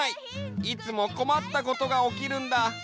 いつもこまったことがおきるんだ。